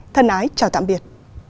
thân ái chào tạm biệt